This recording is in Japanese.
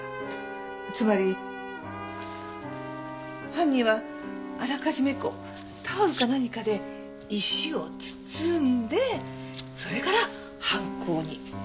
つまり犯人はあらかじめタオルか何かで石を包んでそれから犯行に及んだ。